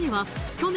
去年、